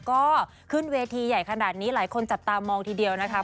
ก็ขึ้นเวทีใหญ่ขนาดนี้หลายคนจับตามองทีเดียวนะคะ